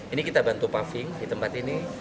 ini kita bantu paving di tempat ini